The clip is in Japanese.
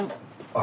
あ。